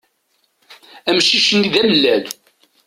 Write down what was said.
Amcic-nni d amellal.